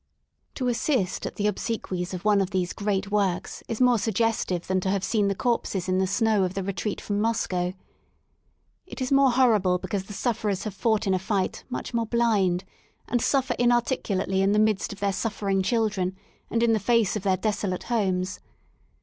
To assist at the obsequies of one of these great works is more suggestive than to have seen the corpses in the snow of the retreat from Moscow, It is more horrible because the sufferers have fought in a fight much more blind and suffer inarticulately in the midst of their suffering children and in the face of their desolate homes.